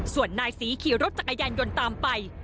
ส่วนนายศรีขี่รถจักรยานยนต์ตามไป